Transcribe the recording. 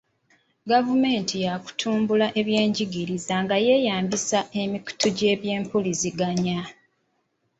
Gavumenti ya kutumbula ebyenjigiriza nga yeeyambisa emikutu gy'ebyempuliziganya.